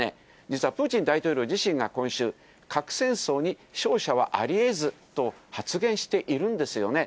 実はプーチン大統領自身が今週、核戦争に勝者はありえずと発言しているんですよね。